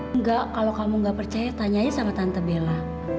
enggak kalo kamu gak percaya tanya aja sama tante bella